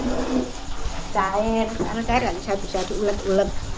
karena cair nggak bisa diulet ulet